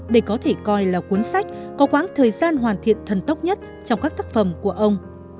đây có thể coi là cuốn sách có quãng thời gian hoàn thiện thần tốc nhất trong các tác phẩm của ông